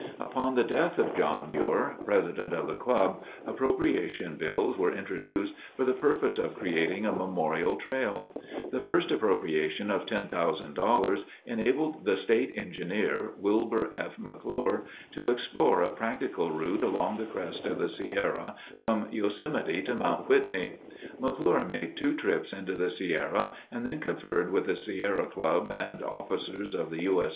Upon the death of John Muir, president of the club, appropriation bills were introduced for the purpose of creating a memorial trail. The first appropriation of $10,000 enabled the state engineer, Wilbur F. McClure, to explore a practical route along the crest of the Sierra from Yosemite to Mount Whitney. McClure made two trips into the Sierra and then conferred with the Sierra Club and officers of the U. S.